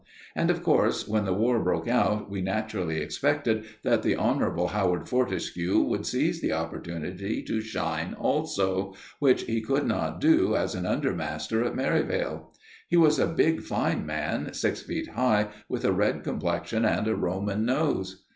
And, of course, when the war broke out, we naturally expected that the Honourable Howard Fortescue would seize the opportunity to shine also, which he could not do as an undermaster at Merivale. He was a big, fine man, six feet high, with a red complexion and a Roman nose.